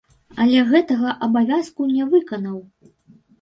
Але гэтага абавязку не выканаў.